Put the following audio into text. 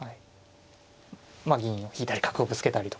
まあ銀を左角をぶつけたりとか。